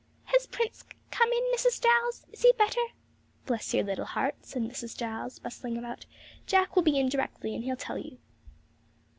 'Has Prince come in, Mrs. Giles? Is he better?' 'Bless your little heart,' said Mrs. Giles, bustling about, 'Jack will be in directly, and he'll tell you.'